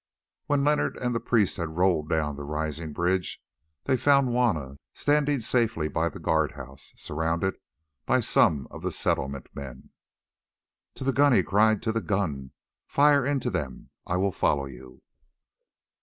When Leonard and the priest had rolled down the rising bridge they found Juanna standing safely by the guard house, surrounded by some of the Settlement men. "To the gun!" he cried, "to the gun! Fire into them! I will follow you."